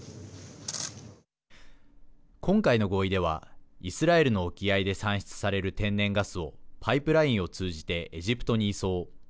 今回の合意ではイスラエルの沖合で産出される天然ガスをパイプラインを通じてエジプトに移送。